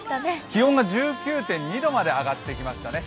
気温が１９．２度まで上がってきましたね。